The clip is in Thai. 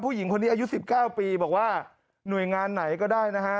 ผู้หญิงคนนี้อายุ๑๙ปีบอกว่าหน่วยงานไหนก็ได้นะฮะ